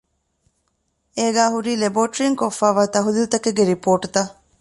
އޭގައި ހުރީ ލެބޯޓެރީން ކޮށްފައިވާ ތަހުލީލުތަކެއްގެ ރިޕޯޓުތައް